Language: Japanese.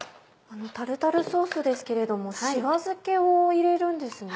タルタルソースですけれどもしば漬けを入れるんですね。